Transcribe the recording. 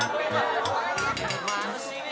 kakak bawa sesuatu nih